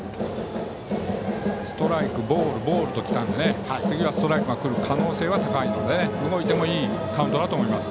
ストライク、ボール、ボールときたので次はストライクの可能性が高いので動いてもいいカウントだと思います。